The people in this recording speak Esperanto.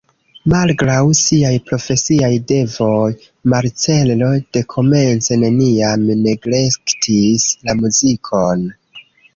Malgraŭ siaj profesiaj devoj Marcello dekomence neniam neglektis la muzikon.